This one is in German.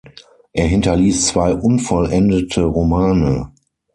Er hinterließ zwei unvollendete Romane.